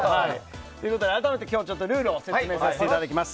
では、改めてルールを説明させていただきます。